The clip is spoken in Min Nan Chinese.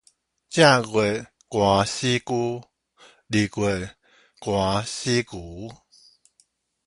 正月寒死龜，二月寒死牛